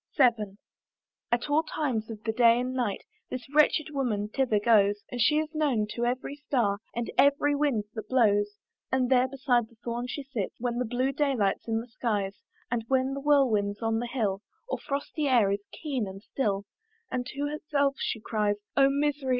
VII. At all times of the day and night This wretched woman thither goes, And she is known to every star, And every wind that blows; And there beside the thorn she sits When the blue day light's in the skies, And when the whirlwind's on the hill, Or frosty air is keen and still, And to herself she cries, "Oh misery!